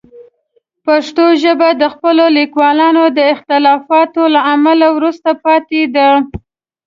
پښتو ژبه د خپلو لیکوالانو د اختلافاتو له امله وروسته پاتې ده.